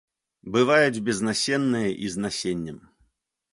Бываюць безнасенныя і з насеннем.